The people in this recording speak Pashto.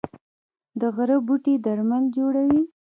د غره بوټي درمل جوړوي